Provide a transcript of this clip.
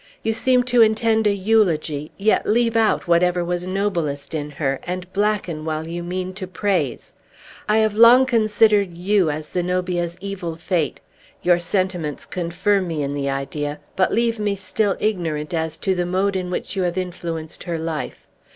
You seem to intend a eulogy, yet leave out whatever was noblest in her, and blacken while you mean to praise. I have long considered you as Zenobia's evil fate. Your sentiments confirm me in the idea, but leave me still ignorant as to the mode in which you have influenced her life.